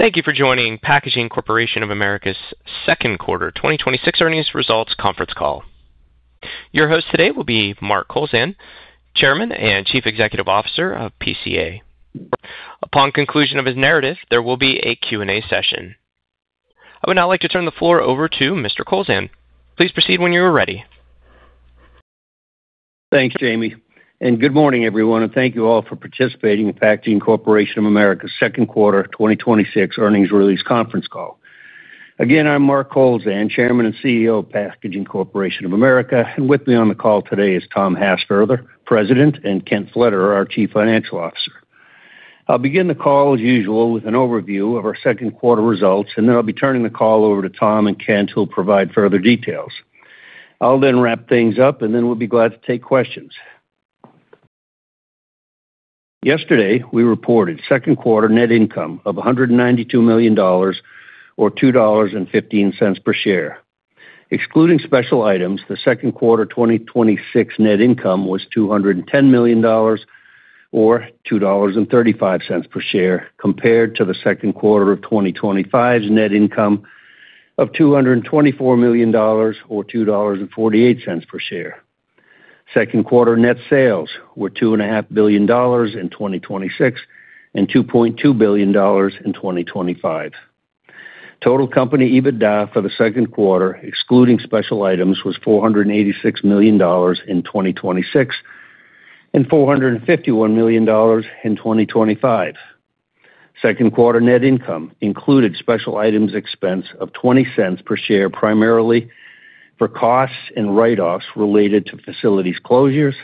Thank you for joining Packaging Corporation of America's Second Quarter 2026 Earnings Results Conference Call. Your host today will be Mark Kowlzan, Chairman and Chief Executive Officer of PCA. Upon conclusion of his narrative, there will be a Q&A session. I would now like to turn the floor over to Mr. Kowlzan. Please proceed when you are ready. Thanks, Jamie. Good morning, everyone, thank you all for participating in Packaging Corporation of America's Second Quarter 2026 Earnings Release Conference Call. Again, I'm Mark Kowlzan, Chairman and CEO of Packaging Corporation of America, and with me on the call today is Thomas Hassfurther, President, and Kent Pflederer, our Chief Financial Officer. I'll begin the call as usual with an overview of our second quarter results. I'll be turning the call over to Tom and Kent, who'll provide further details. I'll then wrap things up. We'll be glad to take questions. Yesterday, we reported second quarter net income of $192 million, or $2.15 per share. Excluding special items, the second quarter 2026 net income was $210 million, or $2.35 per share, compared to the second quarter of 2025's net income of $224 million, or $2.48 per share. Second quarter net sales were $2.5 billion in 2026 and $2.2 billion in 2025. Total company EBITDA for the second quarter, excluding special items, was $486 million in 2026 and $451 million in 2025. Second quarter net income included special items expense of $0.20 per share, primarily for costs and write-offs related to facilities closures,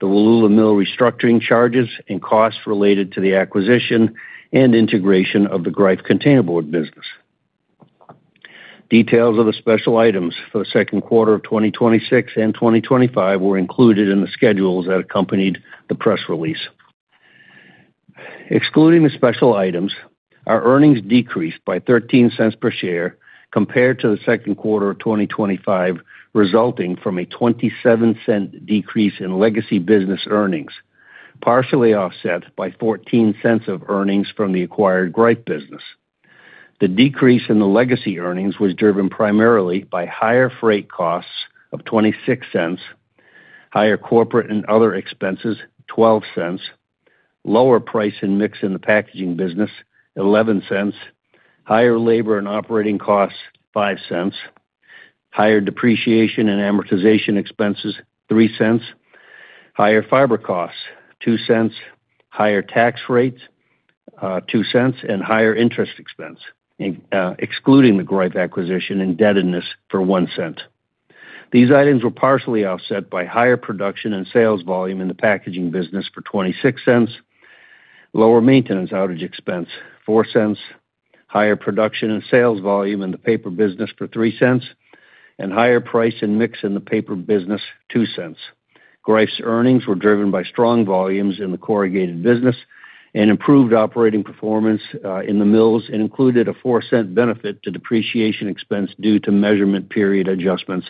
the Wallula Mill restructuring charges, and costs related to the acquisition and integration of the Greif containerboard business. Details of the special items for the second quarter of 2026 and 2025 were included in the schedules that accompanied the press release. Excluding the special items, our earnings decreased by $0.13 per share compared to the second quarter of 2025, resulting from a $0.27 decrease in legacy business earnings, partially offset by $0.14 of earnings from the acquired Greif business. The decrease in the legacy earnings was driven primarily by higher freight costs of $0.26, higher corporate and other expenses $0.12, lower price and mix in the packaging business $0.11, higher labor and operating costs $0.05, higher depreciation and amortization expenses $0.03, higher fiber costs $0.02, higher tax rates $0.02, higher interest expense, excluding the Greif acquisition indebtedness, for $0.01. These items were partially offset by higher production and sales volume in the packaging business for $0.26, lower maintenance outage expense $0.04, higher production and sales volume in the paper business for $0.03, higher price and mix in the paper business $0.02. Greif's earnings were driven by strong volumes in the corrugated business and improved operating performance in the mills and included a $0.04 benefit to depreciation expense due to measurement period adjustments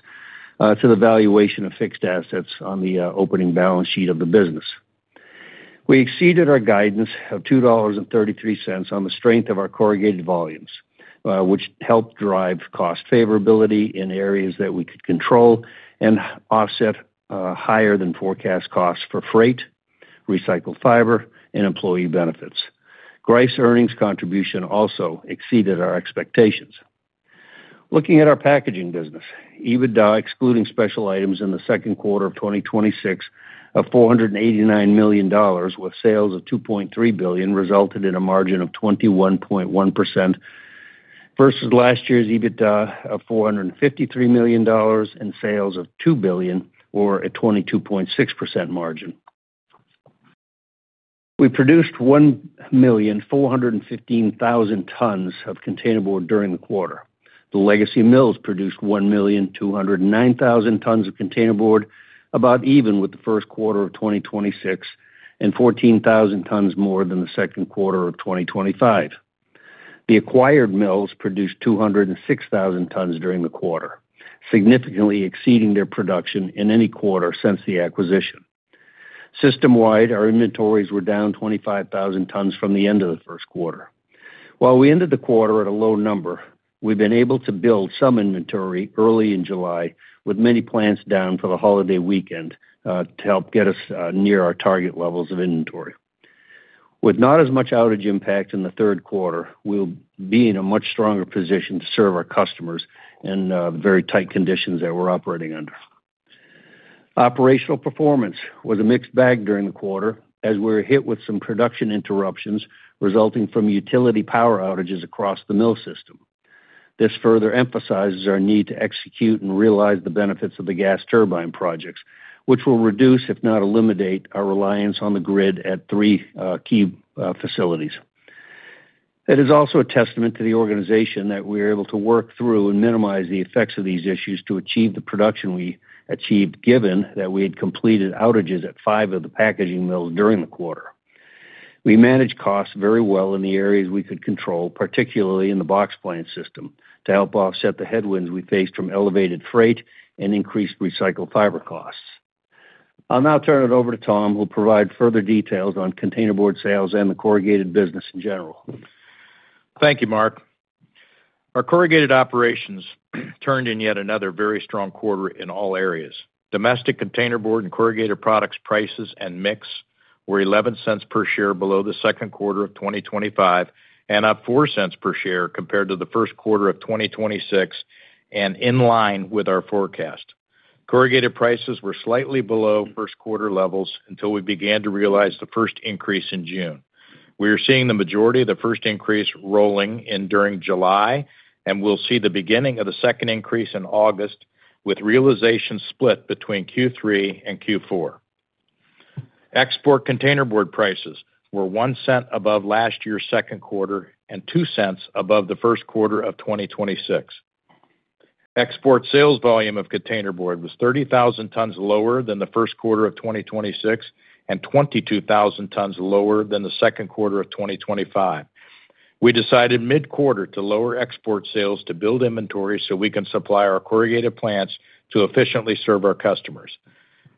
to the valuation of fixed assets on the opening balance sheet of the business. We exceeded our guidance of $2.33 on the strength of our corrugated volumes, which helped drive cost favorability in areas that we could control and offset higher than forecast costs for freight, recycled fiber, and employee benefits. Greif's earnings contribution also exceeded our expectations. Looking at our packaging business, EBITDA excluding special items in the second quarter of 2026 of $489 million with sales of $2.3 billion resulted in a margin of 21.1% versus last year's EBITDA of $453 million and sales of $2 billion, or a 22.6% margin. We produced 1,415,000 tons of containerboard during the quarter. The legacy mills produced 1,209,000 tons of containerboard, about even with the first quarter of 2026 and 14,000 tons more than the second quarter of 2025. The acquired mills produced 206,000 tons during the quarter, significantly exceeding their production in any quarter since the acquisition. System-wide, our inventories were down 25,000 tons from the end of the first quarter. While we ended the quarter at a low number, we've been able to build some inventory early in July with many plants down for the holiday weekend to help get us near our target levels of inventory. With not as much outage impact in the third quarter, we'll be in a much stronger position to serve our customers in the very tight conditions that we're operating under. Operational performance was a mixed bag during the quarter as we were hit with some production interruptions resulting from utility power outages across the mill system. This further emphasizes our need to execute and realize the benefits of the gas turbine projects, which will reduce, if not eliminate, our reliance on the grid at three key facilities. It is also a testament to the organization that we're able to work through and minimize the effects of these issues to achieve the production we achieved, given that we had completed outages at five of the packaging mills during the quarter. We managed costs very well in the areas we could control, particularly in the box plant system, to help offset the headwinds we faced from elevated freight and increased recycled fiber costs. I'll now turn it over to Tom, who'll provide further details on containerboard sales and the corrugated business in general. Thank you, Mark. Our corrugated operations turned in yet another very strong quarter in all areas. Domestic containerboard and corrugated products prices and mix were $0.11 per share below the second quarter of 2025, and up $0.04 per share compared to the first quarter of 2026, and in line with our forecast. Corrugated prices were slightly below first quarter levels until we began to realize the first increase in June. We are seeing the majority of the first increase rolling in during July, and we'll see the beginning of the second increase in August, with realization split between Q3 and Q4. Export containerboard prices were $0.01 above last year's second quarter, and $0.02 above the first quarter of 2026. Export sales volume of containerboard was 30,000 tons lower than the first quarter of 2026, and 22,000 tons lower than the second quarter of 2025. We decided mid-quarter to lower export sales to build inventory so we can supply our corrugated plants to efficiently serve our customers.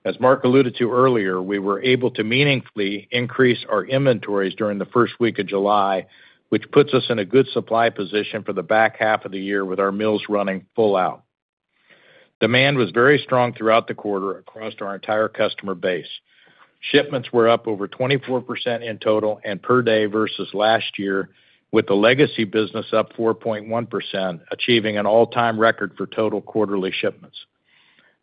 As Mark alluded to earlier, we were able to meaningfully increase our inventories during the first week of July, which puts us in a good supply position for the back half of the year with our mills running full out. Demand was very strong throughout the quarter across our entire customer base. Shipments were up over 24% in total and per day versus last year, with the legacy business up 4.1%, achieving an all-time record for total quarterly shipments.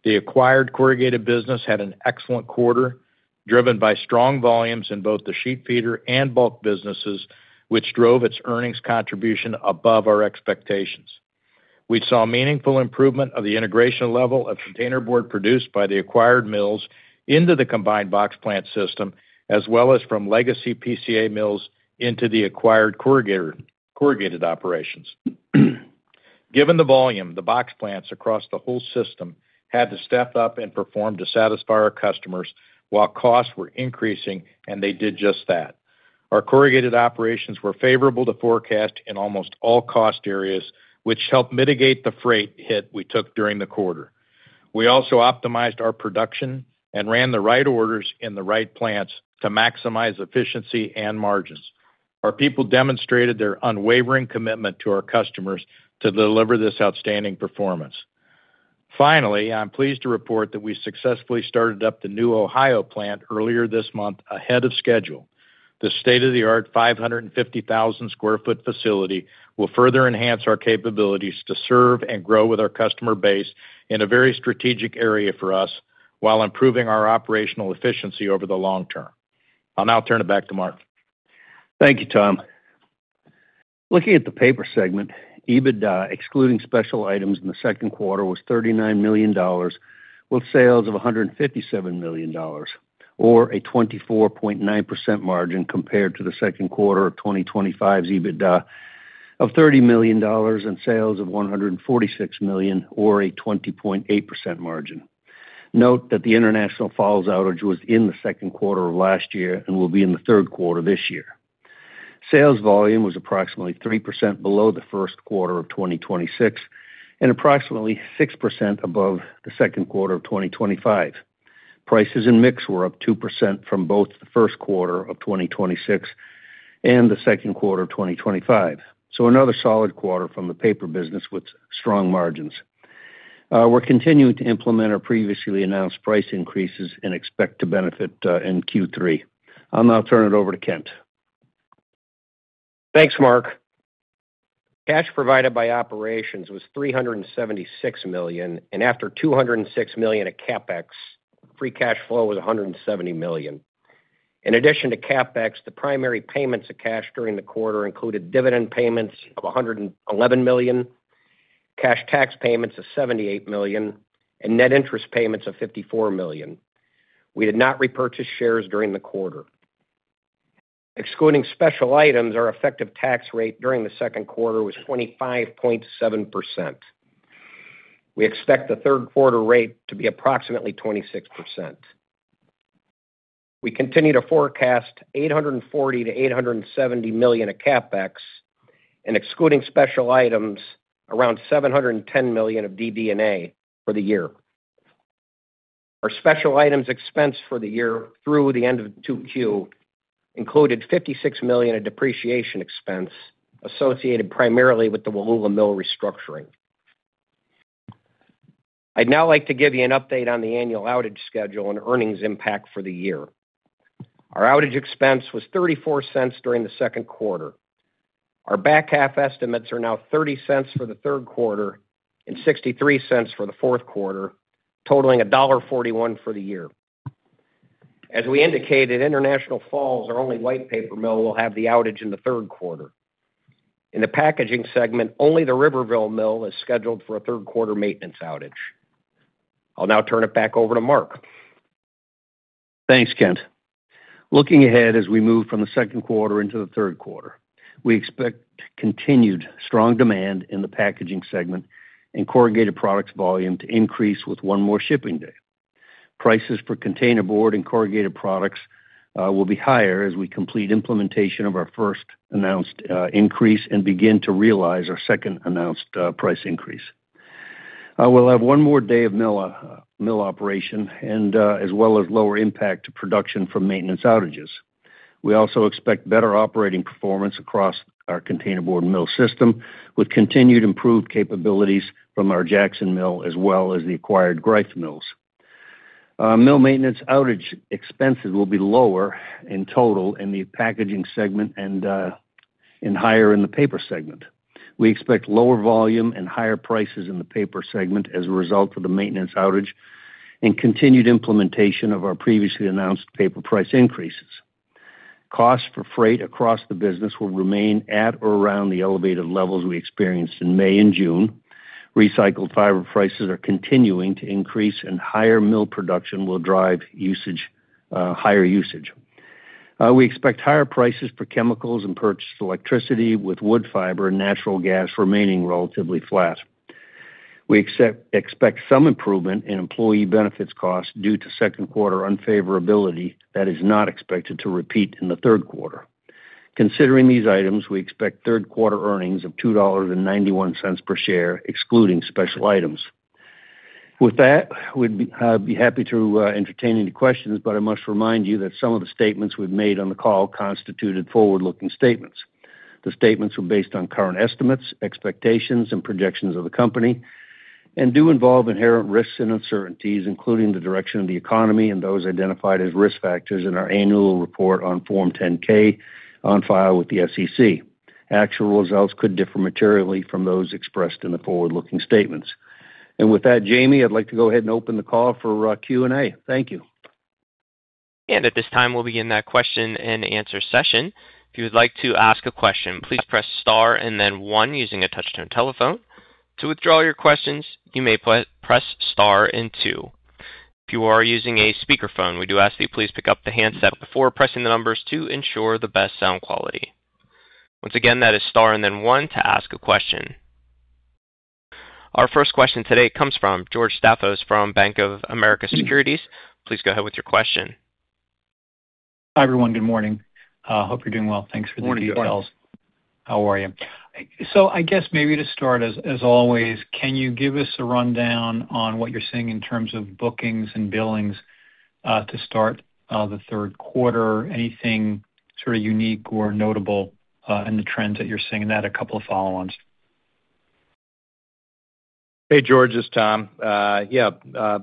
The acquired corrugated business had an excellent quarter, driven by strong volumes in both the sheet feeder and bulk businesses, which drove its earnings contribution above our expectations. We saw meaningful improvement of the integration level of containerboard produced by the acquired mills into the combined box plant system, as well as from legacy PCA mills into the acquired corrugated operations. Given the volume, the box plants across the whole system had to step up and perform to satisfy our customers while costs were increasing, and they did just that. Our corrugated operations were favorable to forecast in almost all cost areas, which helped mitigate the freight hit we took during the quarter. We also optimized our production and ran the right orders in the right plants to maximize efficiency and margins. Our people demonstrated their unwavering commitment to our customers to deliver this outstanding performance. Finally, I'm pleased to report that we successfully started up the new Ohio plant earlier this month ahead of schedule. The state-of-the-art 550,000 square foot facility will further enhance our capabilities to serve and grow with our customer base in a very strategic area for us while improving our operational efficiency over the long term. I'll now turn it back to Mark. Thank you, Tom. Looking at the paper segment, EBITDA, excluding special items in the second quarter, was $39 million, with sales of $157 million, or a 24.9% margin, compared to the second quarter of 2025's EBITDA of $30 million and sales of $146 million, or a 20.8% margin. Note that the International Falls outage was in the second quarter of last year and will be in the third quarter of this year. Sales volume was approximately 3% below the first quarter of 2026 and approximately 6% above the second quarter of 2025. Prices and mix were up 2% from both the first quarter of 2026 and the second quarter of 2025. Another solid quarter from the paper business with strong margins. We're continuing to implement our previously announced price increases and expect to benefit in Q3. I'll now turn it over to Kent. Thanks, Mark. Cash provided by operations was $376 million, and after $206 million of CapEx, free cash flow was $170 million. In addition to CapEx, the primary payments of cash during the quarter included dividend payments of $111 million, cash tax payments of $78 million, and net interest payments of $54 million. We did not repurchase shares during the quarter. Excluding special items, our effective tax rate during the second quarter was 25.7%. We expect the third quarter rate to be approximately 26%. We continue to forecast $840 million-$870 million of CapEx and excluding special items, around $710 million of DD&A for the year. Our special items expense for the year through the end of 2Q included $56 million of depreciation expense associated primarily with the Wallula mill restructuring. I'd now like to give you an update on the annual outage schedule and earnings impact for the year. Our outage expense was $0.34 during the second quarter. Our back half estimates are now $0.30 for the third quarter and $0.63 for the fourth quarter, totaling $1.41 for the year. As we indicated, International Falls, our only white paper mill, will have the outage in the third quarter. In the Packaging segment, only the Riverville Mill is scheduled for a third quarter maintenance outage. I'll now turn it back over to Mark. Thanks, Kent. Looking ahead as we move from the second quarter into the third quarter, we expect continued strong demand in the Packaging segment and corrugated products volume to increase with one more shipping day. Prices for containerboard and corrugated products will be higher as we complete implementation of our first announced increase and begin to realize our second announced price increase. We'll have one more day of mill operation, as well as lower impact to production from maintenance outages. We also expect better operating performance across our containerboard mill system, with continued improved capabilities from our Jackson Mill as well as the acquired Greif mills. Mill maintenance outage expenses will be lower in total in the packaging segment and higher in the paper segment. We expect lower volume and higher prices in the paper segment as a result of the maintenance outage and continued implementation of our previously announced paper price increases. Costs for freight across the business will remain at or around the elevated levels we experienced in May and June. Recycled fiber prices are continuing to increase, and higher mill production will drive higher usage. We expect higher prices for chemicals and purchased electricity, with wood fiber and natural gas remaining relatively flat. We expect some improvement in employee benefits costs due to second quarter unfavorability that is not expected to repeat in the third quarter. Considering these items, we expect third quarter earnings of $2.91 per share, excluding special items. With that, we'd be happy to entertain any questions, I must remind you that some of the statements we've made on the call constituted forward-looking statements. The statements were based on current estimates, expectations, and projections of the company, do involve inherent risks and uncertainties, including the direction of the economy and those identified as risk factors in our annual report on Form 10-K on file with the SEC. Actual results could differ materially from those expressed in the forward-looking statements. With that, Jamie, I'd like to go ahead and open the call for Q&A. Thank you. At this time, we'll begin that question-and-answer session. If you would like to ask a question, please press star and then one using a touch-tone telephone. To withdraw your questions, you may press star and two. If you are using a speakerphone, we do ask that you please pick up the handset before pressing the numbers to ensure the best sound quality. Once again, that is star and then one to ask a question. Our first question today comes from George Staphos from Bank of America Securities. Please go ahead with your question. Hi, everyone. Good morning. Hope you're doing well. Thanks for the details. How are you? I guess maybe to start, as always, can you give us a rundown on what you're seeing in terms of bookings and billings to start the third quarter? Anything sort of unique or notable in the trends that you're seeing? Add a couple of follow-ons. Hey, George. This is Tom. Yeah.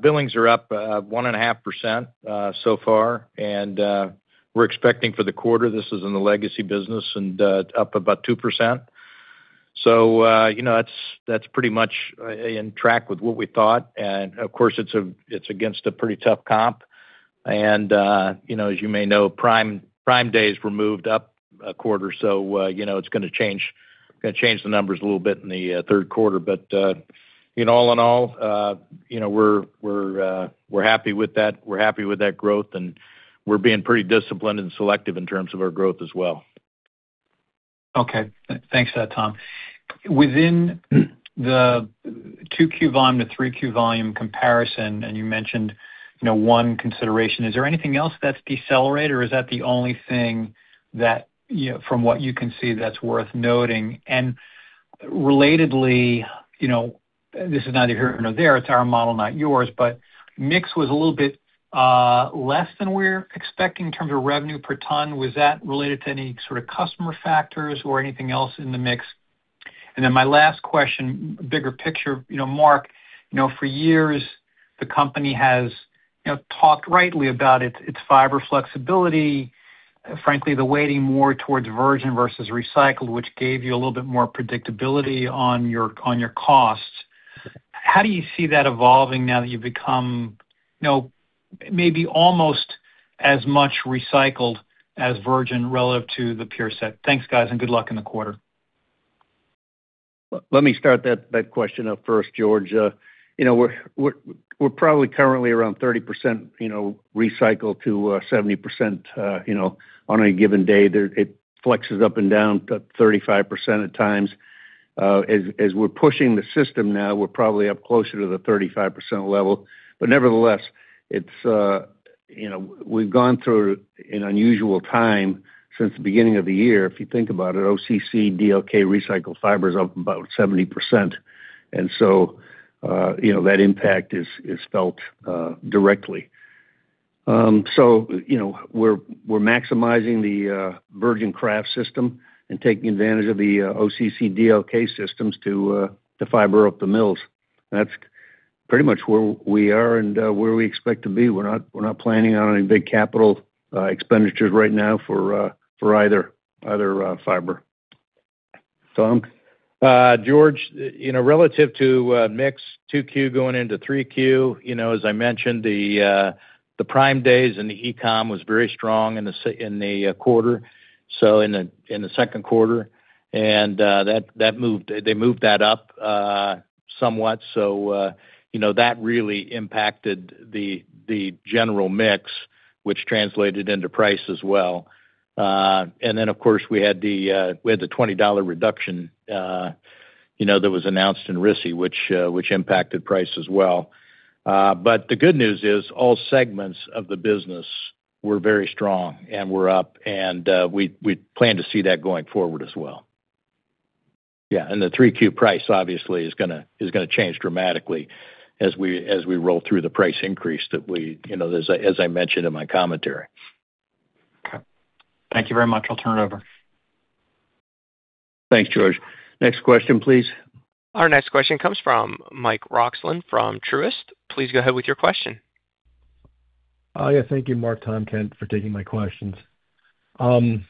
Billings are up 1.5% so far, and we're expecting for the quarter, this is in the legacy business, and up about 2%. That's pretty much in track with what we thought. Of course, it's against a pretty tough comp. As you may know, Prime Day has been moved up a quarter, so it's going to change the numbers a little bit in the third quarter. All in all, we're happy with that growth, and we're being pretty disciplined and selective in terms of our growth as well. Okay. Thanks for that, Tom. Within the 2Q volume to 3Q volume comparison, and you mentioned one consideration, is there anything else that's decelerated, or is that the only thing that, from what you can see, that's worth noting? Relatedly, this is neither here nor there, it's our model, not yours, but mix was a little bit less than we're expecting in terms of revenue per ton. Was that related to any sort of customer factors or anything else in the mix? Then my last question, bigger picture, Mark, for years the company has talked rightly about its fiber flexibility, frankly, the weighting more towards virgin versus recycled, which gave you a little bit more predictability on your costs. How do you see that evolving now that you've become maybe almost as much recycled as virgin relative to the peer set? Thanks, guys, and good luck in the quarter. Let me start that question up first, George. We're probably currently around 30% recycled to 70% on a given day. It flexes up and down to 35% at times. As we're pushing the system now, we're probably up closer to the 35% level. Nevertheless, we've gone through an unusual time since the beginning of the year. If you think about it, OCC/DLK recycled fiber is up about 70%, that impact is felt directly. We're maximizing the virgin kraft system and taking advantage of the OCC/DLK systems to fiber up the mills. That's pretty much where we are and where we expect to be. We're not planning on any big capital expenditures right now for either fiber. Tom? George, relative to mix 2Q going into 3Q, as I mentioned, the Prime Days in the e-com was very strong in the quarter, in the second quarter. They moved that up somewhat. That really impacted the general mix, which translated into price as well. Of course, we had the $20 reduction that was announced in RISI, which impacted price as well. The good news is all segments of the business We're very strong, and we're up, and we plan to see that going forward as well. The 3Q price obviously is going to change dramatically as we roll through the price increase that I mentioned in my commentary. Okay. Thank you very much. I'll turn it over. Thanks, George. Next question, please. Our next question comes from Mike Roxland from Truist. Please go ahead with your question. Thank you, Mark, Tom, Kent, for taking my questions. You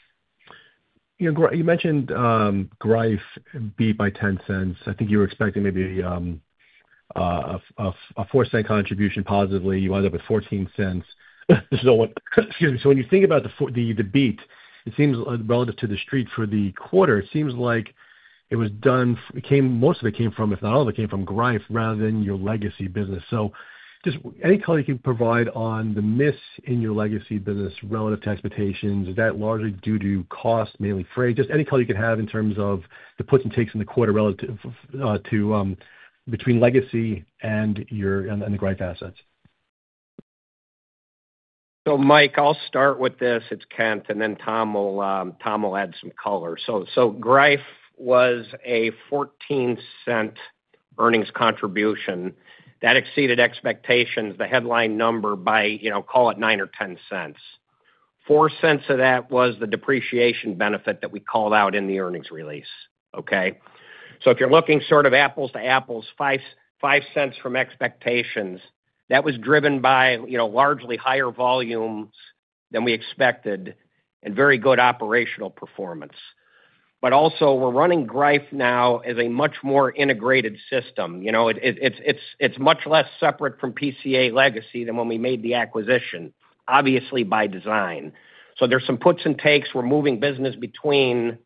mentioned Greif beat by $0.10. I think you were expecting maybe a $0.04 contribution positively. You wind up with $0.14. So when you think about the beat, it seems relative to the street for the quarter. It seems like it most of it came from, if not all of it came from Greif rather than your legacy business. Just any color you can provide on the miss in your legacy business relative to expectations? Is that largely due to cost, mainly freight? Just any color you can have in terms of the puts and takes in the quarter relative to between legacy and the Greif assets. Mike, I'll start with this. It's Kent, and then Tom will add some color. Greif was a $0.14 earnings contribution. That exceeded expectations, the headline number by call it $0.09 or $0.10. $0.04 of that was the depreciation benefit that we called out in the earnings release. Okay? If you're looking sort of apples to apples, $0.05 from expectations, that was driven by largely higher volumes than we expected and very good operational performance. Also we're running Greif now as a much more integrated system. It's much less separate from PCA legacy than when we made the acquisition, obviously by design. There's some puts and takes. We're moving business between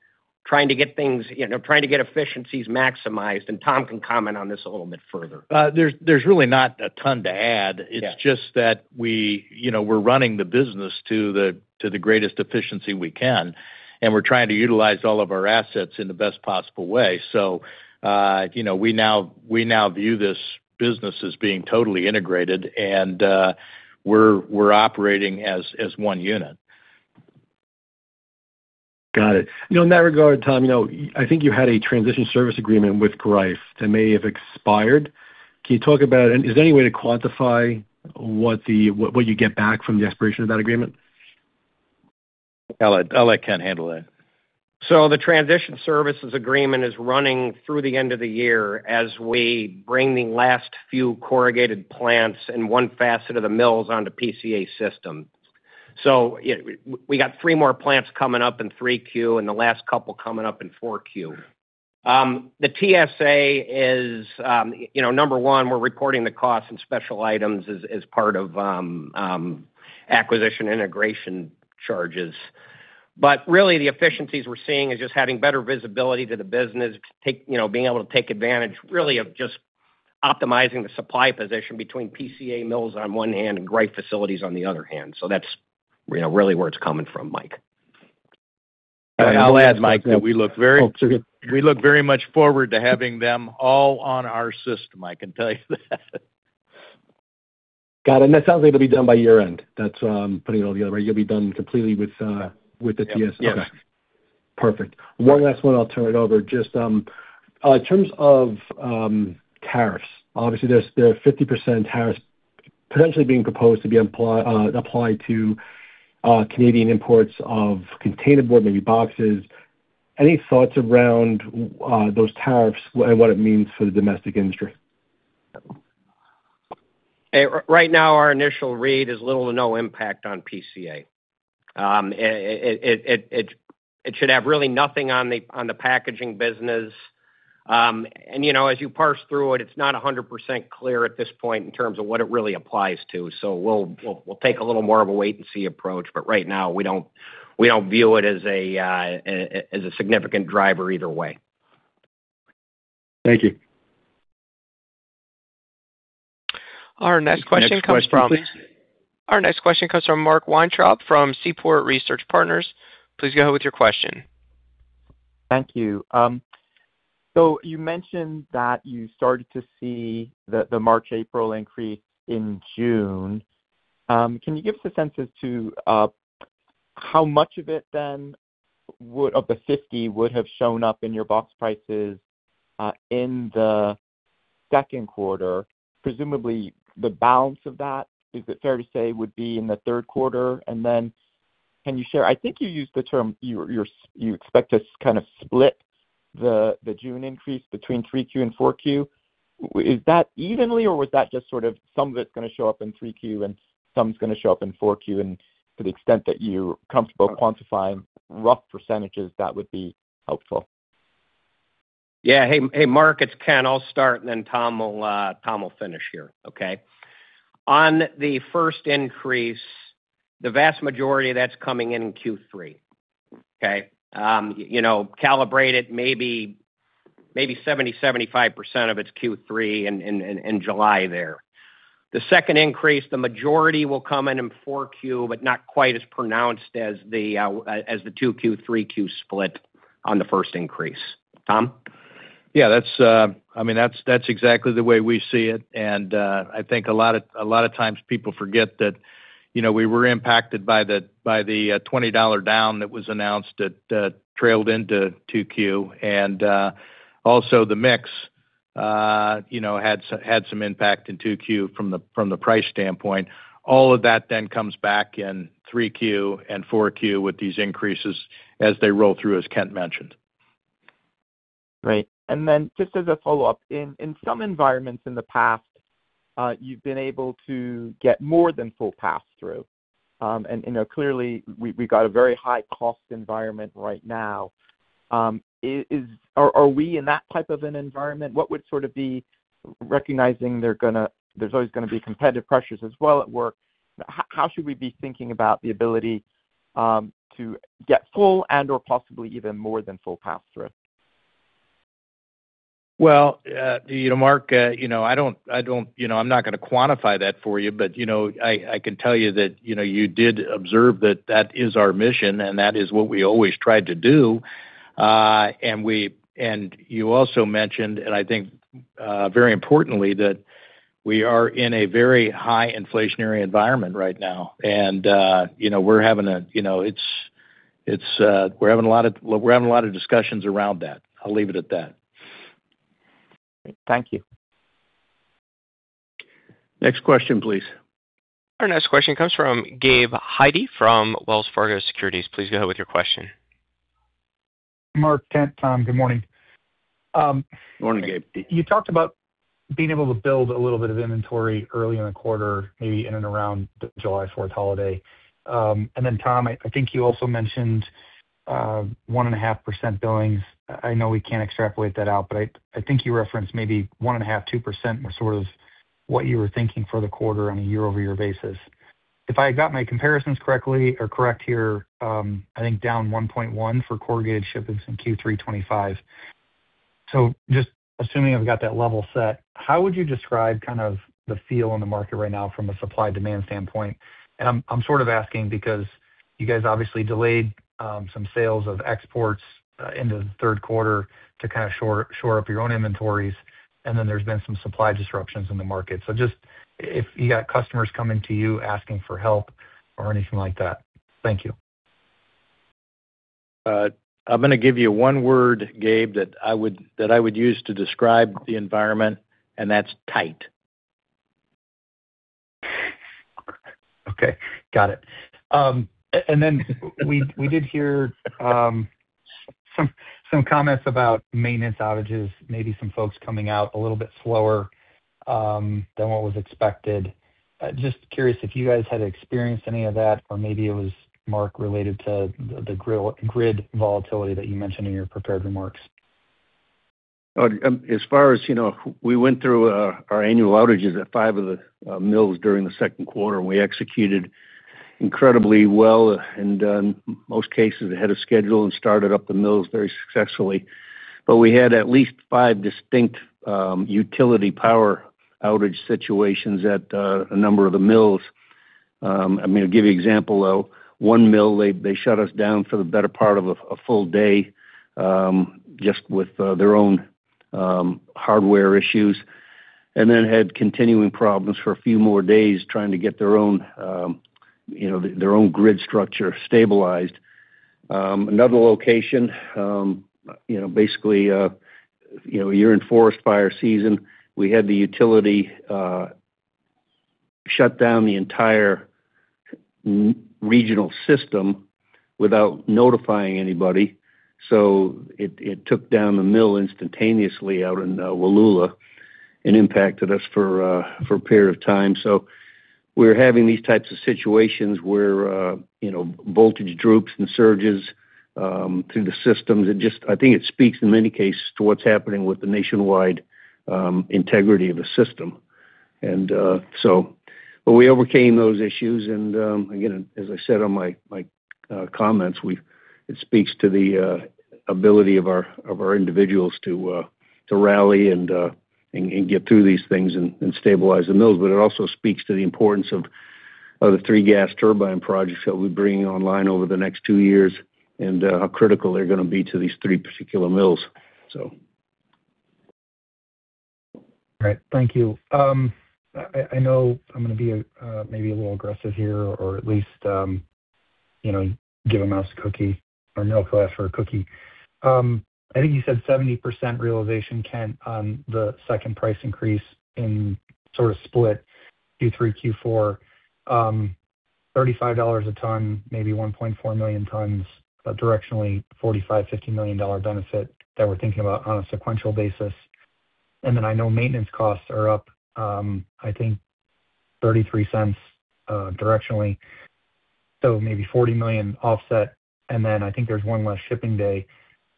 trying to get efficiencies maximized, and Tom can comment on this a little bit further. There's really not a ton to add. It's just that we're running the business to the greatest efficiency we can, and we're trying to utilize all of our assets in the best possible way. We now view this business as being totally integrated, and we're operating as one unit. Got it. In that regard, Tom, I think you had a transition service agreement with Greif that may have expired. Can you talk about it? Is there any way to quantify what you get back from the expiration of that agreement? I'll let Kent handle that. The transition services agreement is running through the end of the year as we bring the last few corrugated plants and one facet of the mills onto PCA system. We got three more plants coming up in 3Q and the last couple coming up in 4Q. The TSA is, number one, we're recording the cost and special items as part of acquisition integration charges. Really the efficiencies we're seeing is just having better visibility to the business, being able to take advantage really of just optimizing the supply position between PCA mills on one hand and Greif facilities on the other hand. That's really where it's coming from, Mike. I'll add, Mike, that we look very much forward to having them all on our system, I can tell you that. Got it. That sounds like it'll be done by year-end. That's putting it all together. You'll be done completely with the TSA. Yes. Okay. Perfect. One last one, I'll turn it over. Just in terms of tariffs, obviously there are 50% tariffs potentially being proposed to be applied to Canadian imports of containerboard, maybe boxes. Any thoughts around those tariffs and what it means for the domestic industry? Right now, our initial read is little to no impact on PCA. It should have really nothing on the packaging business. As you parse through it's not 100% clear at this point in terms of what it really applies to. We'll take a little more of a wait and see approach, but right now we don't view it as a significant driver either way. Thank you. Our next question comes from Next question, please. Our next question comes from Mark Weintraub from Seaport Research Partners. Please go ahead with your question. Thank you. You mentioned that you started to see the March, April increase in June. Can you give us a sense as to how much of it then of the $50 would have shown up in your box prices, in the second quarter? Presumably the balance of that, is it fair to say, would be in the third quarter? Then can you share, I think you used the term you expect to kind of split the June increase between 3Q and 4Q. Is that evenly or was that just sort of some of it's going to show up in 3Q and some's going to show up in 4Q? To the extent that you're comfortable quantifying rough percentages, that would be helpful. Yeah. Hey, Mark, it's Kent. I'll start. Tom will finish here. Okay? On the first increase, the vast majority of that's coming in in Q3. Okay? Calibrated maybe 70%-75% of its Q3 in July there. The second increase, the majority will come in in 4Q, but not quite as pronounced as the 2Q, 3Q split on the first increase. Tom? Yeah. That's exactly the way we see it, and I think a lot of times people forget that we were impacted by the $20 down that was announced that trailed into 2Q. Also the mix had some impact in 2Q from the price standpoint. All of that then comes back in 3Q and 4Q with these increases as they roll through, as Kent mentioned. Great. Then just as a follow-up, in some environments in the past, you've been able to get more than full pass-through. Clearly, we got a very high cost environment right now. Are we in that type of an environment? What would sort of be recognizing there's always going to be competitive pressures as well at work, how should we be thinking about the ability to get full and or possibly even more than full pass-through? Well, Mark, I'm not going to quantify that for you, but I can tell you that you did observe that that is our mission, and that is what we always tried to do. You also mentioned, and I think very importantly, that we are in a very high inflationary environment right now. We're having a lot of discussions around that. I'll leave it at that. Thank you. Next question, please. Our next question comes from Gabe Hajde from Wells Fargo Securities. Please go ahead with your question. Mark, Kent, Tom, good morning. Good morning, Gabe. You talked about being able to build a little bit of inventory early in the quarter, maybe in and around the July 4th holiday. Tom, I think you also mentioned 1.5% billings. I know we can't extrapolate that out, but I think you referenced maybe 1.5%-2% was sort of what you were thinking for the quarter on a year-over-year basis. If I got my comparisons correctly or correct here, I think down 1.1% for corrugated shipments in Q3 2025. Just assuming I've got that level set, how would you describe kind of the feel in the market right now from a supply-demand standpoint? I'm sort of asking because you guys obviously delayed some sales of exports into the third quarter to kind of shore up your own inventories, there's been some supply disruptions in the market. Just if you got customers coming to you asking for help or anything like that? Thank you. I'm going to give you one word, Gabe, that I would use to describe the environment, and that's tight. Okay, got it. Then we did hear some comments about maintenance outages, maybe some folks coming out a little bit slower than what was expected. Just curious if you guys had experienced any of that or maybe it was, Mark, related to the grid volatility that you mentioned in your prepared remarks. As far as we went through our annual outages at five of the mills during the second quarter, we executed incredibly well, in most cases ahead of schedule and started up the mills very successfully. We had at least five distinct utility power outage situations at a number of the mills. I'm going to give you example, though. One mill, they shut us down for the better part of a full day, just with their own hardware issues, then had continuing problems for a few more days trying to get their own grid structure stabilized. Another location, basically, you're in forest fire season, we had the utility shut down the entire regional system without notifying anybody. It took down the mill instantaneously out in Wallula and impacted us for a period of time. We're having these types of situations where voltage droops and surges through the systems. I think it speaks in many cases to what's happening with the nationwide integrity of the system. We overcame those issues, again, as I said on my comments, it speaks to the ability of our individuals to rally and get through these things and stabilize the mills. It also speaks to the importance of the three gas turbine projects that we're bringing online over the next two years and how critical they're going to be to these three particular mills. Right. Thank you. I know I'm going to be maybe a little aggressive here or at least give a mouse a cookie or a milk glass for a cookie. I think you said 70% realization, Kent, on the second price increase in sort of split Q3, Q4. $35 a ton, maybe $1.4 million tons, directionally $45 million-$50 million benefit that we're thinking about on a sequential basis. I know maintenance costs are up, I think $0.33 directionally, so maybe $40 million offset. I think there's one less shipping day.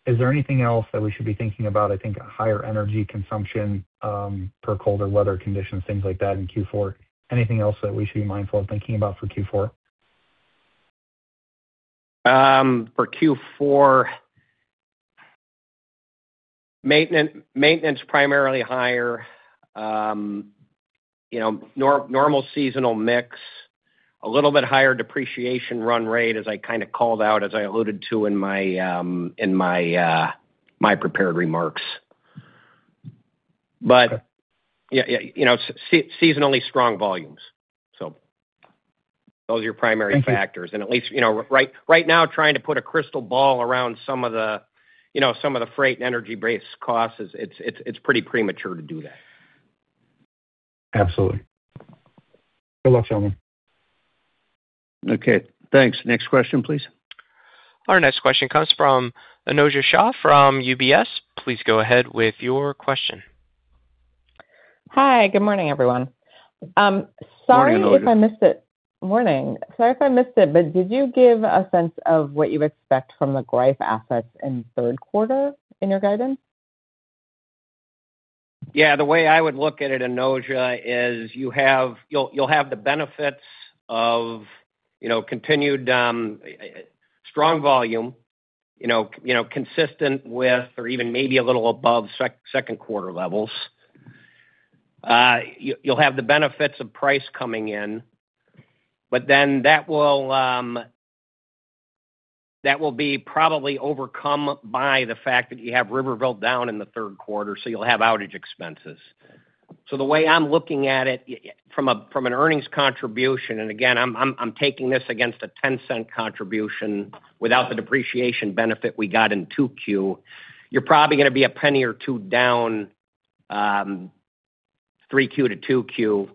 Is there anything else that we should be thinking about? I think a higher energy consumption per colder weather conditions, things like that in Q4. Anything else that we should be mindful of thinking about for Q4? For Q4, maintenance primarily higher. Normal seasonal mix, a little bit higher depreciation run rate as I kind of called out, as I alluded to in my prepared remarks. Okay. But, you know seasonally strong volumes. Those are your primary factors. At least right now trying to put a crystal ball around some of the freight and energy base costs, it's pretty premature to do that. Absolutely. Good luck gentlemen. Okay, thanks. Next question, please. Our next question comes from Anojja Shah from UBS. Please go ahead with your question. Hi, good morning, everyone. Morning, Anojja. Sorry if I missed it. Morning. Sorry if I missed it, did you give a sense of what you expect from the Greif assets in third quarter in your guidance? Yeah, the way I would look at it, Anojja, is you'll have the benefits of continued strong volume, consistent with or even maybe a little above second quarter levels. You'll have the benefits of price coming in, that will be probably overcome by the fact that you have Riverville down in the third quarter, you'll have outage expenses. The way I'm looking at it from an earnings contribution, and again, I'm taking this against a $0.10 contribution without the depreciation benefit we got in 2Q, you're probably going to be $0.01 or $0.02 down, 3Q to 2Q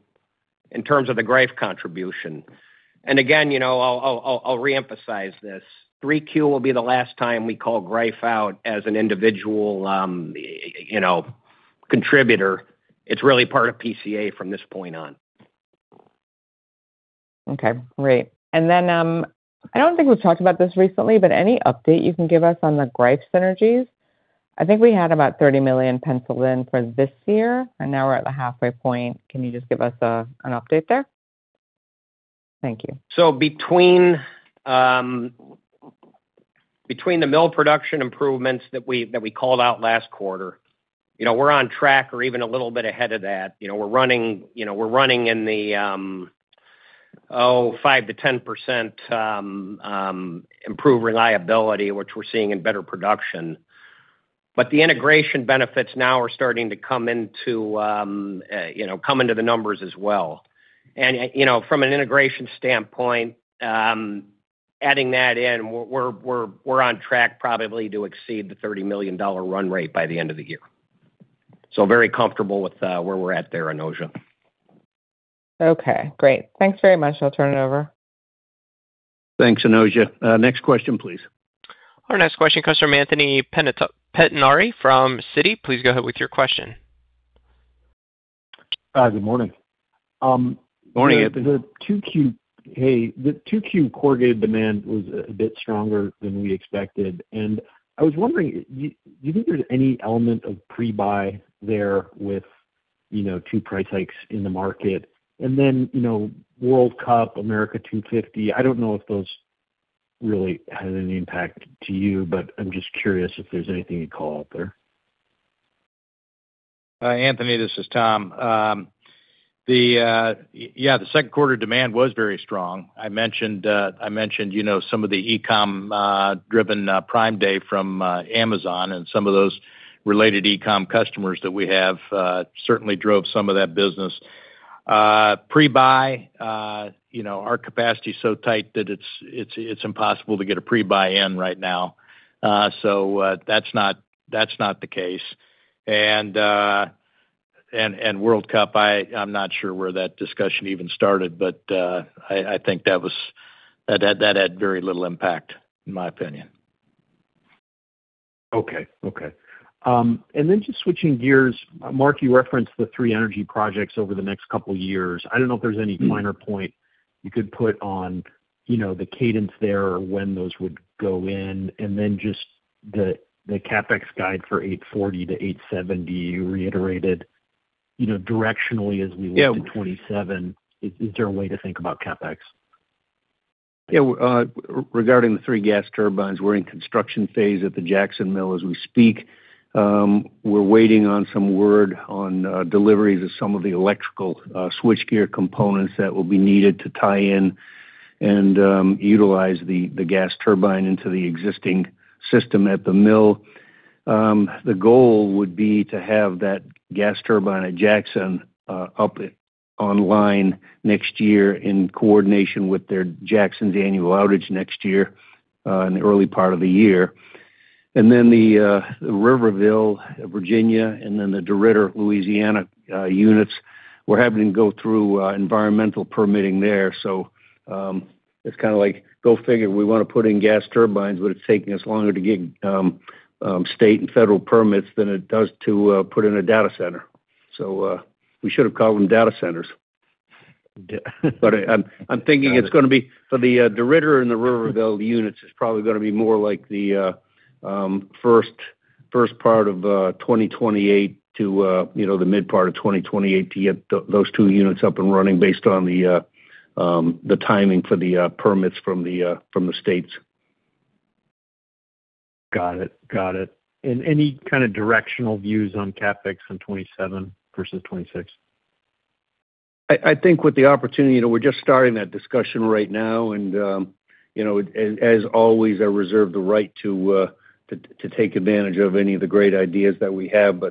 in terms of the Greif contribution. Again, I'll re-emphasize this. 3Q will be the last time we call Greif out as an individual contributor. It's really part of PCA from this point on. Okay, great. I don't think we've talked about this recently, any update you can give us on the Greif synergies? I think we had about $30 million penciled in for this year, and now we're at the halfway point. Can you just give us an update there? Thank you. Between the mill production improvements that we called out last quarter, we're on track or even a little bit ahead of that. We're running in the 5%-10% improved reliability, which we're seeing in better production. The integration benefits now are starting to come into the numbers as well. From an integration standpoint, adding that in, we're on track probably to exceed the $30 million run rate by the end of the year. Very comfortable with where we're at there, Anojja. Okay, great. Thanks very much. I'll turn it over. Thanks, Anojja. Next question, please. Our next question comes from Anthony Pettinari from Citi. Please go ahead with your question. Good morning. Morning, Anthony. Hey. The 2Q corrugated demand was a bit stronger than we expected. I was wondering, do you think there's any element of pre-buy there with two price hikes in the market? World Cup, America 250, I don't know if those really had any impact to you, but I'm just curious if there's anything you'd call out there. Anthony, this is Tom. Yeah, the second quarter demand was very strong. I mentioned some of the e-com driven Prime Day from Amazon and some of those related e-com customers that we have certainly drove some of that business. Pre-buy, our capacity is so tight that it's impossible to get a pre-buy in right now. That's not the case. World Cup, I'm not sure where that discussion even started, I think that had very little impact in my opinion. Okay. Then just switching gears, Mark, you referenced the three energy projects over the next couple of years. I don't know if there's any finer point you could put on the cadence there or when those would go in, and then just the CapEx guide for $840-$870 you reiterated directionally as we look to 2027. Is there a way to think about CapEx? Yeah. Regarding the three gas turbines, we're in construction phase at the Jackson Mill as we speak. We're waiting on some word on deliveries of some of the electrical switchgear components that will be needed to tie in and utilize the gas turbine into the existing system at the mill. The goal would be to have that gas turbine at Jackson up online next year in coordination with their Jackson's annual outage next year, in the early part of the year. Then the Riverville, Virginia, and then the DeRidder, Louisiana units, we're having to go through environmental permitting there. It's kind of like, go figure, we want to put in gas turbines, but it's taking us longer to get state and federal permits than it does to put in a data center. We should have called them data centers. Got it. I'm thinking it's going to be for the DeRidder and the Riverville units, it's probably going to be more like the first part of 2028 to the mid part of 2028 to get those two units up and running based on the timing for the permits from the states. Got it. Any kind of directional views on CapEx in 2027 versus 2026? I think with the opportunity, we're just starting that discussion right now. As always, I reserve the right to take advantage of any of the great ideas that we have.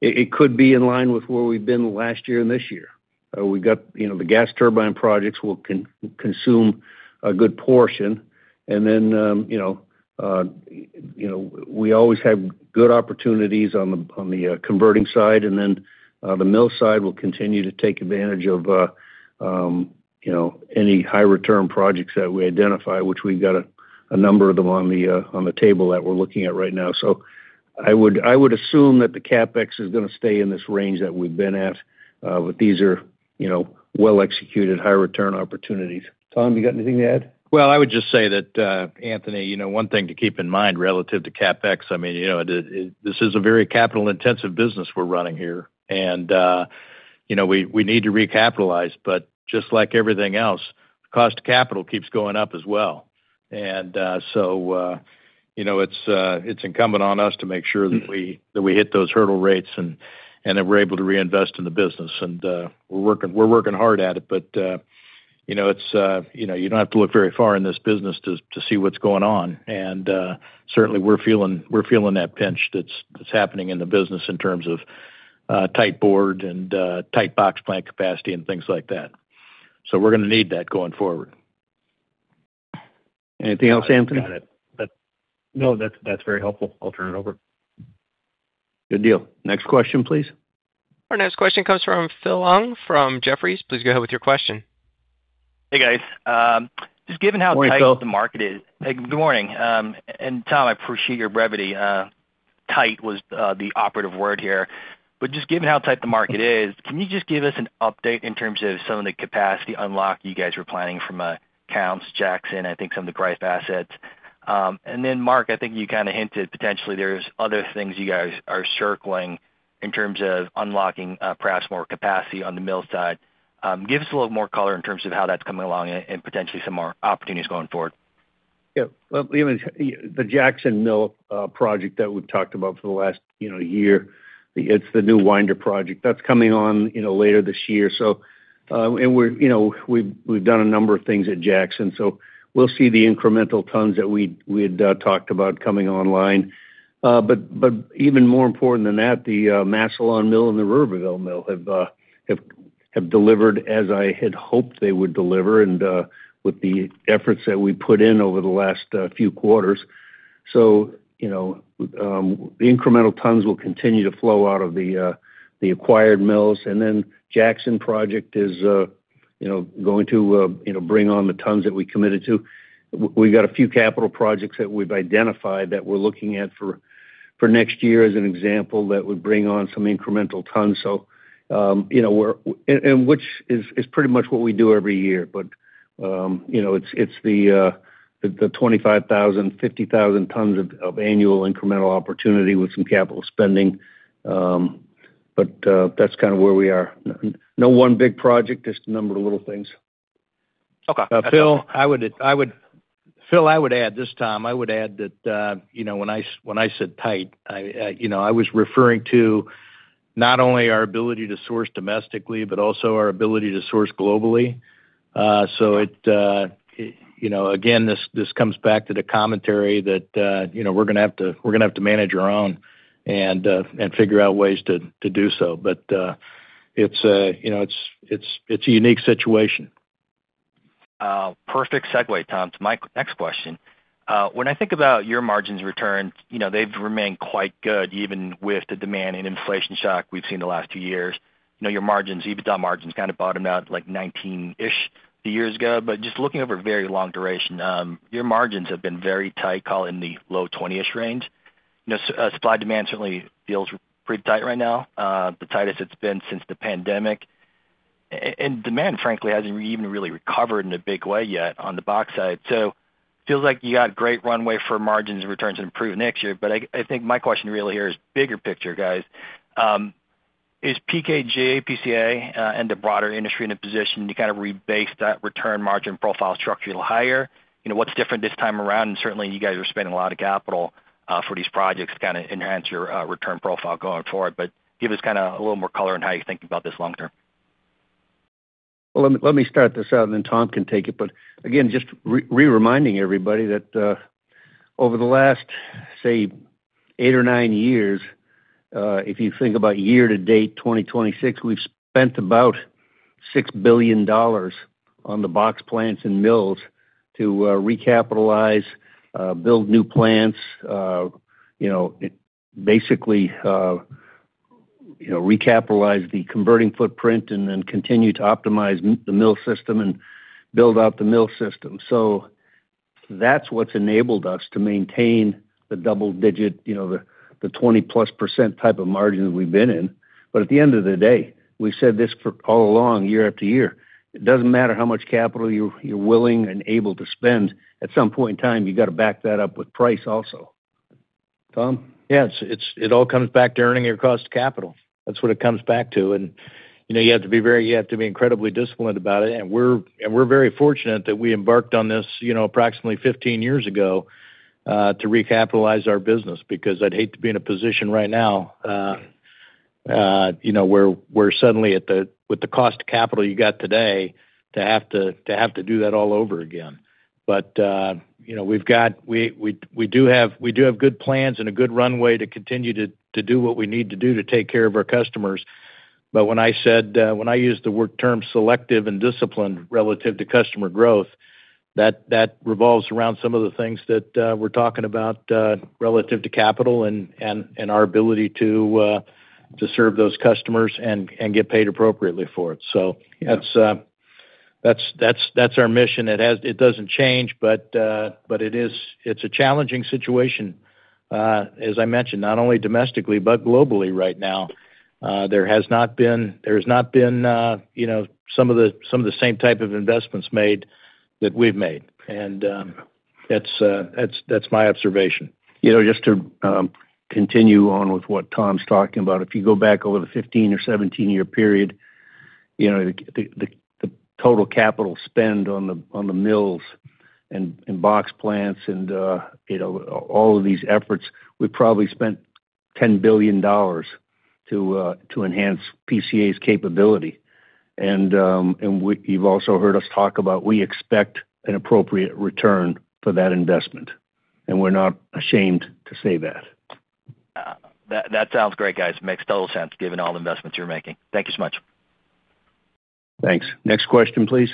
It could be in line with where we've been last year and this year. We've got the gas turbine projects will consume a good portion. Then we always have good opportunities on the converting side, the mill side will continue to take advantage of any high return projects that we identify, which we've got a number of them on the table that we're looking at right now. I would assume that the CapEx is going to stay in this range that we've been at, but these are well-executed, high return opportunities. Tom, you got anything to add? Well, I would just say that, Anthony, one thing to keep in mind relative to CapEx, this is a very capital-intensive business we're running here. We need to recapitalize, just like everything else, cost of capital keeps going up as well. It's incumbent on us to make sure that we hit those hurdle rates and that we're able to reinvest in the business. We're working hard at it. You don't have to look very far in this business to see what's going on. Certainly, we're feeling that pinch that's happening in the business in terms of tight board and tight box plant capacity and things like that. We're going to need that going forward. Anything else, Anthony? Got it. That is very helpful. I will turn it over. Good deal. Next question, please. Our next question comes from Phil Ng from Jefferies. Please go ahead with your question. Hey, guys. Morning, Phil. Good morning. And Tom, I appreciate your brevity. Tight was the operative word here. Just given how tight the market is, can you just give us an update in terms of some of the capacity unlock you guys were planning from Counce, Jackson, I think some of the Greif assets. Then Mark, I think you kind of hinted potentially there's other things you guys are circling in terms of unlocking perhaps more capacity on the mill side. Give us a little more color in terms of how that's coming along and potentially some more opportunities going forward. The Jackson Mill project that we've talked about for the last year, it's the new winder project. That's coming on later this year. We've done a number of things at Jackson, so we'll see the incremental tons that we had talked about coming online. Even more important than that, the Massillon mill and the Riverville mill have delivered as I had hoped they would deliver, and with the efforts that we put in over the last few quarters. The incremental tons will continue to flow out of the acquired mills. Then Jackson project is going to bring on the tons that we committed to. We've got a few capital projects that we've identified that we're looking at for next year as an example that would bring on some incremental tons. Which is pretty much what we do every year. It's the 25,000-50,000 tons of annual incremental opportunity with some capital spending. That's kind of where we are. No one big project, just a number of little things. Okay. Phil, I would add, it's Tom. I would add that when I said tight, I was referring to not only our ability to source domestically, but also our ability to source globally. Again, this comes back to the commentary that we're going to have to manage our own and figure out ways to do so. It's a unique situation. Perfect segue, Tom, to my next question. When I think about your margins return, they've remained quite good even with the demand and inflation shock we've seen the last two years. Your EBITDA margins kind of bottomed out like 19-ish years ago. Just looking over a very long duration, your margins have been very tight, call it in the low 20-ish range. Supply-demand certainly feels pretty tight right now, the tightest it's been since the pandemic. Demand, frankly, hasn't even really recovered in a big way yet on the box side. Feels like you got great runway for margins and returns to improve next year. I think my question really here is bigger picture, guys. Is PCA, and the broader industry in a position to kind of rebase that return margin profile structurally higher? What's different this time around? Certainly, you guys are spending a lot of capital for these projects to kind of enhance your return profile going forward. Give us a little more color on how you think about this long-term. Let me start this out, and then Tom can take it. Again, just reminding everybody that over the last, say, eight or nine years, if you think about year to date 2026, we've spent about $6 billion on the box plants and mills to recapitalize, build new plants. Basically, recapitalize the converting footprint and then continue to optimize the mill system and build out the mill system. That's what's enabled us to maintain the double digit, the 20-plus% type of margins we've been in. At the end of the day, we've said this all along, year-after-year, it doesn't matter how much capital you're willing and able to spend, at some point in time, you got to back that up with price also. Tom? Yes. It all comes back to earning your cost of capital. That's what it comes back to. You have to be incredibly disciplined about it, we're very fortunate that we embarked on this approximately 15 years ago to recapitalize our business, because I'd hate to be in a position right now where suddenly with the cost of capital you got today, to have to do that all over again. We do have good plans and a good runway to continue to do what we need to do to take care of our customers. When I used the term selective and disciplined relative to customer growth, that revolves around some of the things that we're talking about relative to capital and our ability to serve those customers and get paid appropriately for it. That's our mission. It doesn't change, it's a challenging situation, as I mentioned, not only domestically, but globally right now. There has not been some of the same type of investments made that we've made. That's my observation. Just to continue on with what Tom's talking about. If you go back over the 15 or 17-year period, the total capital spend on the mills and box plants and all of these efforts, we probably spent $10 billion to enhance PCA's capability. You've also heard us talk about we expect an appropriate return for that investment, we're not ashamed to say that. That sounds great, guys. Makes total sense given all the investments you're making. Thank you so much. Thanks. Next question, please.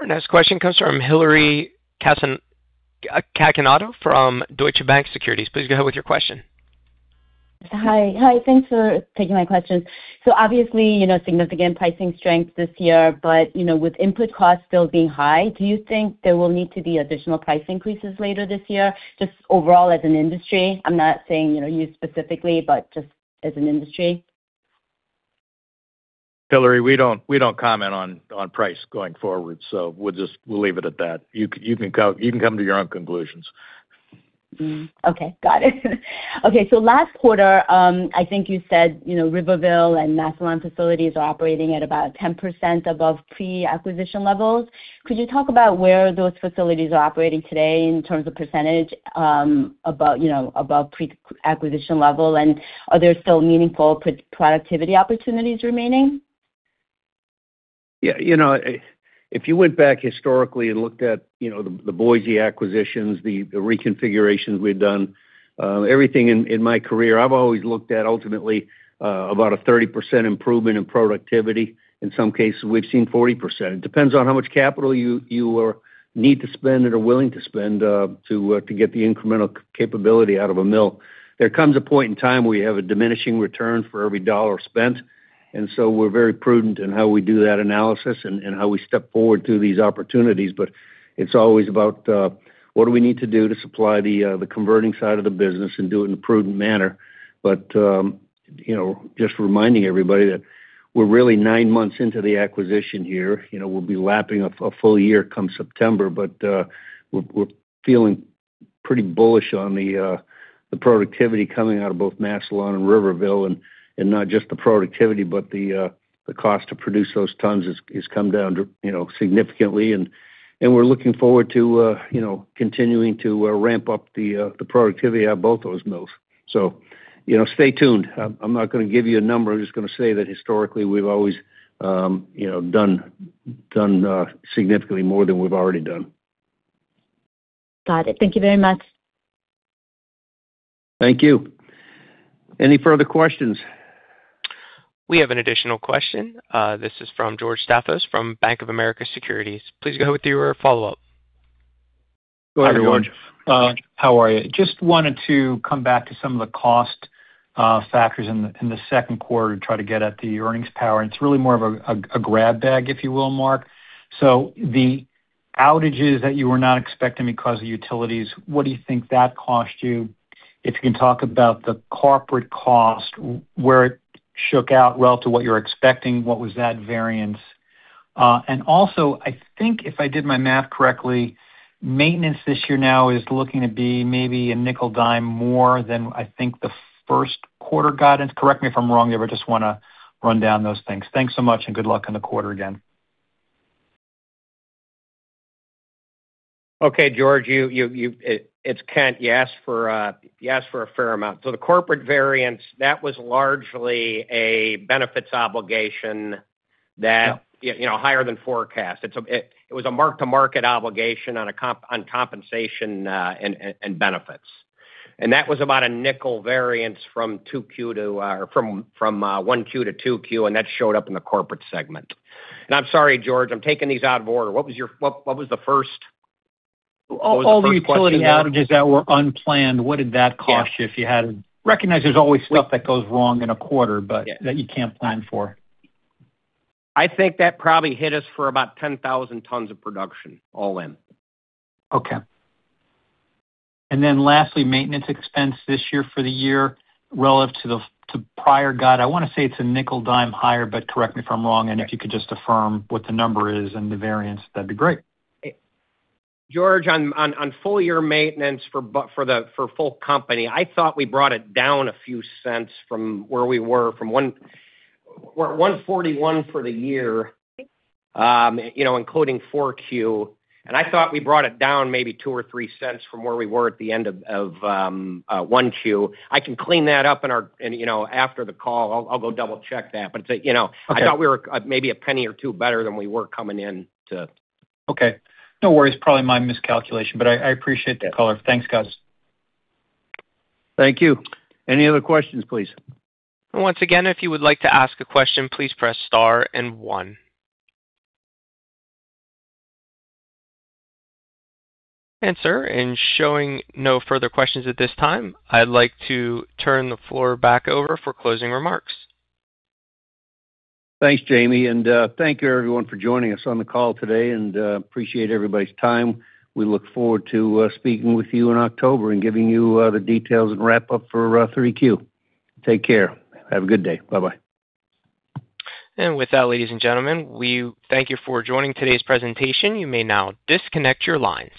Our next question comes from Hillary Cacanando from Deutsche Bank Securities. Please go ahead with your question. Hi. Thanks for taking my question. Obviously, significant pricing strength this year, with input costs still being high, do you think there will need to be additional price increases later this year, just overall as an industry? I'm not saying you specifically, just as an industry. Hillary, we don't comment on price going forward, we'll leave it at that. You can come to your own conclusions. Okay, got it. Last quarter, I think you said, Riverville and Massillon facilities are operating at about 10% above pre-acquisition levels. Could you talk about where those facilities are operating today in terms of percentage above pre-acquisition level? Are there still meaningful productivity opportunities remaining? If you went back historically and looked at the Boise acquisitions, the reconfigurations we had done, everything in my career, I've always looked at ultimately about a 30% improvement in productivity. In some cases, we've seen 40%. It depends on how much capital you need to spend and are willing to spend to get the incremental capability out of a mill. There comes a point in time where you have a diminishing return for every dollar spent. We're very prudent in how we do that analysis and how we step forward through these opportunities. It's always about what do we need to do to supply the converting side of the business and do it in a prudent manner. Just reminding everybody that we're really nine months into the acquisition here. We'll be lapping a full year come September. We're feeling pretty bullish on the productivity coming out of both Massillon and Riverville. Not just the productivity, but the cost to produce those tons has come down significantly. We're looking forward to continuing to ramp up the productivity at both those mills. Stay tuned. I'm not going to give you a number. I'm just going to say that historically, we've always done significantly more than we've already done. Got it. Thank you very much. Thank you. Any further questions? We have an additional question. This is from George Staphos from Bank of America Securities. Please go ahead with your follow-up. Go ahead, George. How are you? Just wanted to come back to some of the cost factors in the second quarter to try to get at the earnings power, it's really more of a grab bag, if you will, Mark. The outages that you were not expecting because of utilities, what do you think that cost you? If you can talk about the corporate cost, where it shook out, well, to what you're expecting, what was that variance? Also, I think if I did my math correctly, maintenance this year now is looking to be maybe a nickel dime more than, I think, the first quarter guidance. Correct me if I'm wrong there, but just want to run down those things. Thanks so much, and good luck on the quarter again. Okay, George. It's Kent. You asked for a fair amount. The corporate variance, that was largely a benefits obligation. Yeah Higher than forecast. It was a mark-to-market obligation on compensation and benefits. That was about a $0.05 variance from 1Q to 2Q, and that showed up in the corporate segment. I'm sorry, George, I'm taking these out of order. What was the first question there? All the utility outages that were unplanned, what did that cost you? If you had to recognize there's always stuff that goes wrong in a quarter. That you can't plan for. I think that probably hit us for about 10,000 tons of production, all in. Okay. And then lastly, maintenance expense this year for the year relative to prior guide, I want to say it's $0.05-$0.10 higher, but correct me if I'm wrong. If you could just affirm what the number is and the variance, that'd be great. George, on full-year maintenance for full company, I thought we brought it down a few cents from where we were from $1.41 for the year, including 4Q, I thought we brought it down maybe $0.02 or $0.03 from where we were at the end of 1Q. I can clean that up after the call. I'll go double-check that. I thought we were maybe $0.01 or $0.02 better than we were coming in to. Okay. No worries. Probably my miscalculation, but I appreciate the color. Thanks, guys. Thank you. Any other questions, please? Once again, if you would like to ask a question, please press star and one. Answer. Showing no further questions at this time, I'd like to turn the floor back over for closing remarks. Thanks, Jamie, and thank you, everyone, for joining us on the call today and appreciate everybody's time. We look forward to speaking with you in October and giving you the details and wrap up for 3Q. Take care. Have a good day. Bye-bye. With that, ladies and gentlemen, we thank you for joining today's presentation. You may now disconnect your lines.